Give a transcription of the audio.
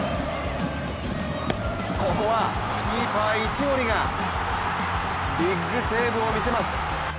ここはキーパー・一森がビッグセーブを見せます。